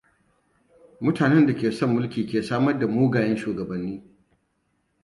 Mutanen da ke son mulki ke samar da mugayen shugabanni.